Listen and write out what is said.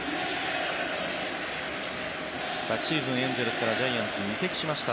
昨シーズン、エンゼルスからジャイアンツに移籍しました。